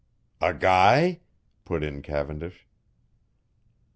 "A guy?" put in Cavendish.